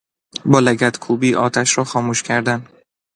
با لگد کوبی آتش را خاموش کردن